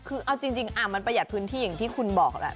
คือเอาจริงมันประหยัดพื้นที่อย่างที่คุณบอกแหละ